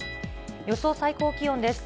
予想最高気温です。